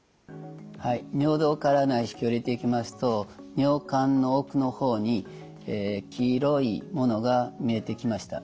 はい尿道から内視鏡を入れていきますと尿管の奥の方に黄色いものが見えてきました。